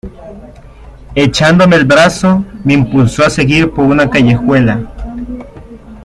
Echándome el brazo me impulsó a seguir por una callejuela.